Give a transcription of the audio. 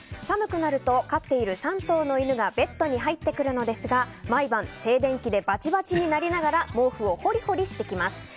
寒くなると飼っている３頭の犬がベッドに入ってくるのですが毎晩、静電気でバチバチになりながら毛布をほりほりしてきます。